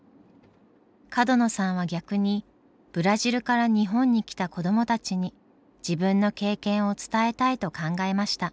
角野さんは逆にブラジルから日本に来た子どもたちに自分の経験を伝えたいと考えました。